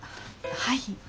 はい。